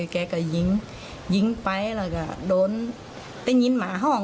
แกก็ยิงไปแล้วก็ได้ยินมาห้อง